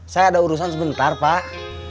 saya ada urusan sebentar pak